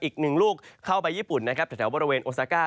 อีกหนึ่งลูกเข้าไปญี่ปุ่นนะครับแถวบริเวณโอซาก้า